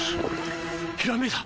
ひらめいた！